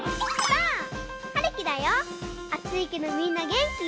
あついけどみんなげんき？